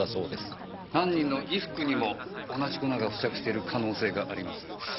犯人の衣服にも同じ粉が付着してる可能性があります。